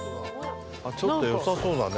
ちょっと良さそうだね。